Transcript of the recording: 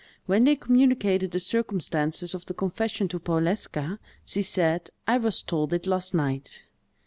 When they communicated the circumstances of the confession to Powleska, she said, "I was told it last night."